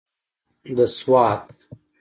د سوات.